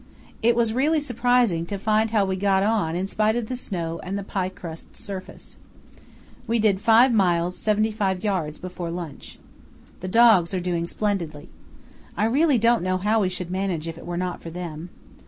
It was really surprising to find how we got on in spite of the snow and the pie crust surface. We did 5 miles 75 yds. before lunch. The dogs are doing splendidly. I really don't know how we should manage if it were not for them....